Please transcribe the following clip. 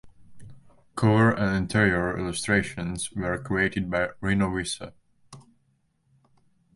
Cover and interior illustrations were created by Rino Visser.